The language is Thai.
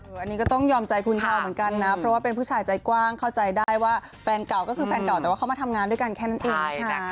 อันนี้ก็ต้องยอมใจคุณชาวเหมือนกันนะเพราะว่าเป็นผู้ชายใจกว้างเข้าใจได้ว่าแฟนเก่าก็คือแฟนเก่าแต่ว่าเขามาทำงานด้วยกันแค่นั้นเองนะคะ